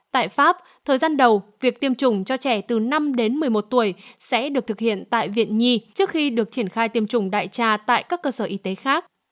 tại pháp thời gian đầu việc tiêm chủng cho trẻ từ năm đến một mươi một tuổi sẽ được thực hiện tại viện nhi trước khi được triển khai tiêm chủng đại trà tại các cơ sở y tế khác